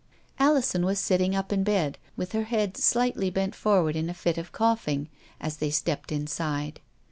Alison was sitting up in bed, with her head slightly bent forward in a fit of coughing, as they stepped inside.